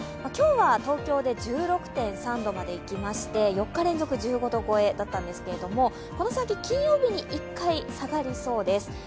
今日は東京で１６．３度までいきまして、４日連続１５度超えだったんですけれども、この先金曜日に１回下がるそうです。